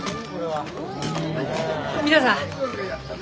皆さん！